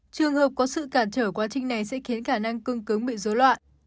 trường hợp có sự cản trở quá trình này sẽ khiến khả năng cưng cứng bị dối loạn